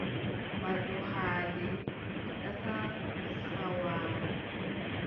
Marɗo haaje fiɗɗata saawawre.